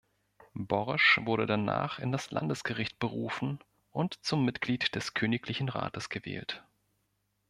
Boresch wurde danach in das Landesgericht berufen und zum Mitglied des königlichen Rates gewählt.